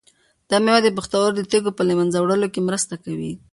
دا مېوه د پښتورګو د تیږو په له منځه وړلو کې مرسته کوي.